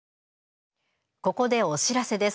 ここでお知らせです。